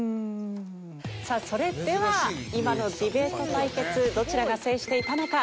さあそれでは今のディベート対決どちらが制していたのか？